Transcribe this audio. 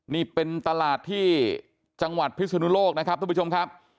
นี่เป็นตลาดที่จังหวัดพิศนุโลกนะครับทุกผู้ชมครับ